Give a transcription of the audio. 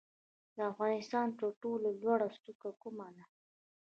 د افغانستان تر ټولو لوړه څوکه کومه ده؟